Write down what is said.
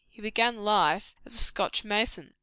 He began life as a Scotch mason."